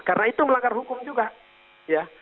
karena itu melanggar hukum juga ya